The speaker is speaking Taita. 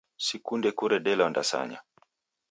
Sikunde kuredelwa ndasanya.